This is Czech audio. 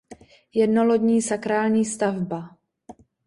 Jednolodní sakrální stavba.